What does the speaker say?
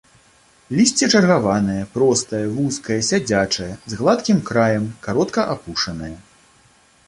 Лісце чаргаванае, простае, вузкае, сядзячае, з гладкім краем, каротка апушанае.